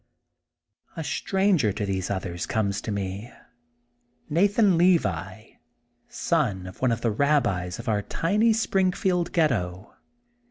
A stranger to these others comes to me. Nathan Levi, son of one of the Rabbis of our tiny Springfield Ghetto.